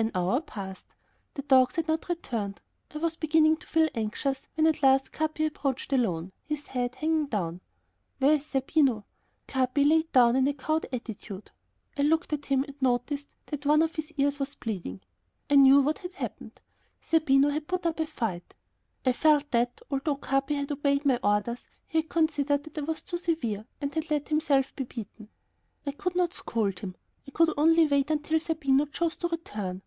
An hour passed. The dogs had not returned. I was beginning to feel anxious when at last Capi appeared alone, his head hanging down. "Where is Zerbino?" Capi laid down in a cowed attitude. I looked at him and noticed that one of his ears was bleeding. I knew what had happened. Zerbino had put up a fight. I felt that, although Capi had obeyed my orders, he had considered that I was too severe and had let himself be beaten. I could not scold him. I could only wait until Zerbino chose to return.